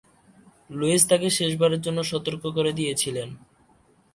Luis তাকে শেষ বারের জন্য সতর্ক করে দিয়েছিলেন।